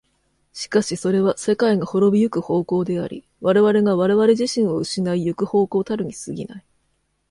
しかしそれは世界が亡び行く方向であり、我々が我々自身を失い行く方向たるに過ぎない。